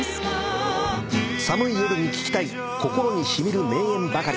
寒い夜に聴きたい心に染みる名演ばかり。